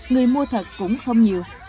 người mua thật cũng không nhiều